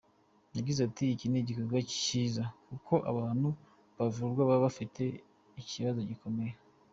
Yagize ati “Iki ni igikorwa cyiza kuko abantu bavurwa baba bafite ibibazo bikomeye.